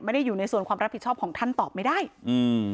อยู่ในส่วนความรับผิดชอบของท่านตอบไม่ได้อืม